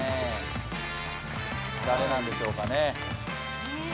誰なんでしょうかね。